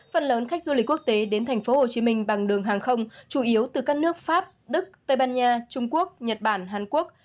phần lớn khách du lịch quốc tế đến tp hcm bằng đường hàng không chủ yếu từ các nước pháp đức tây ban nha trung quốc nhật bản hàn quốc